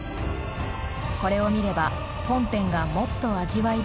これを見れば本編がもっと味わい深くなる。